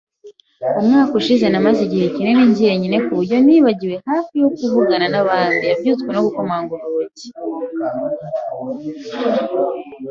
Umwaka ushize, namaze igihe kinini njyenyine kuburyo nibagiwe hafi kuvugana nabandi. Yabyutswe no gukomanga ku rugi.